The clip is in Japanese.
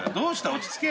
落ち着け。